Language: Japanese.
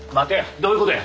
どういうことや？